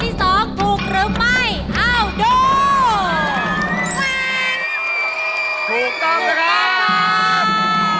ถูกต้องถูกต้องรับกำลังพันเป็น๓๐๐๐เป็น